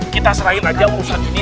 kita serahin aja urusan ini